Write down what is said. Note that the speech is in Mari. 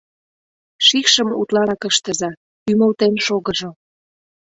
— Шикшым утларак ыштыза, ӱмылтен шогыжо!